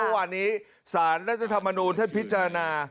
วันนี้สารและธรรมนูญท่านพิจารณา